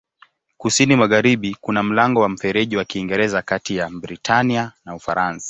Kusini-magharibi kuna mlango wa Mfereji wa Kiingereza kati ya Britania na Ufaransa.